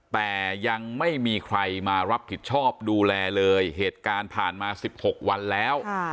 แต่ยังไม่มีใครมารับผิดชอบดูแลเลยเหตุการณ์ผ่านมา๑๖วันแล้ว